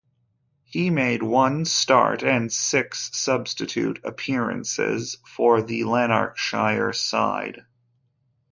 He made one start and six substitute appearances for the Lanarkshire side.